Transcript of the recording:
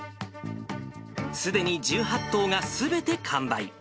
すでに１８棟がすべて完売。